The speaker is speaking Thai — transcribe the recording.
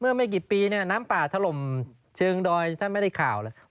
ไม่กี่ปีเนี่ยน้ำป่าถล่มเชิงดอยท่านไม่ได้ข่าวเลย